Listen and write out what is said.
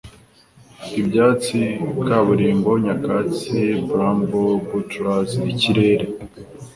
Ibyatsi, kaburimbo nyakatsi, bramble, buttress, ikirere,